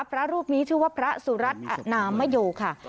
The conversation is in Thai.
พระรูปนี้ชื่อว่าพระสุรัตน์อนามโยค่ะ